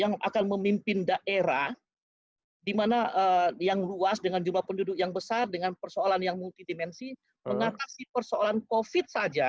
yang akan memimpin daerah di mana yang luas dengan jumlah penduduk yang besar dengan persoalan yang multi dimensi mengatasi persoalan covid saja